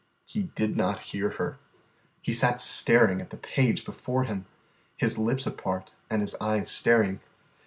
He did not hear her. He sat staring at the page before him, his lips apart and his eyes staring.